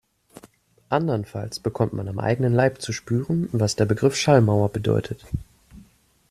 Andernfalls bekommt man am eigenen Leib zu spüren, was der Begriff Schallmauer bedeutet.